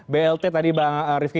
blt tadi bang rivki